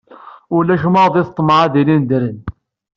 Ulac maḍi ṭṭmeɛ ad ilin ddren.